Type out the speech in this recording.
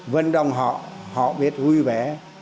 vận động họ họ biết vui vẻ